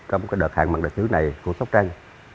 trong đợt hàng mặt đặc trữ này của sóc trăng